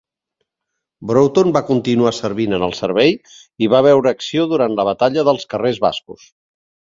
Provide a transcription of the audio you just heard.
Broughton va continuar servint en el servei i va veure acció durant la batalla dels Carrers Bascos.